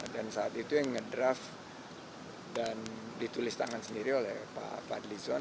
dan saat itu yang ngedraft dan ditulis tangan sendiri oleh pak adlison